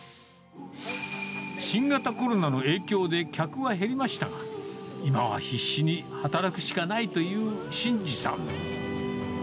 新型コロナの影響で客は減りましたが、今は必死に働くしかないと言う慎司さん。